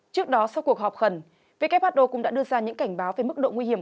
trước đó sau cuộc họp khẩn who cũng đã đưa ra những cảnh báo về mức độ nguy hiểm